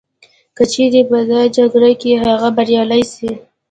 که چیري په دا جګړه کي هغه بریالی سي